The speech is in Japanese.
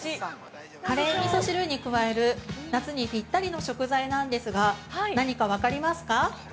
カレーみそ汁に加える夏にぴったりの食材なんですが何か分かりますか？